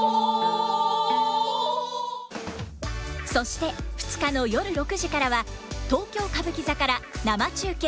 そして２日の夜６時からは東京歌舞伎座から生中継。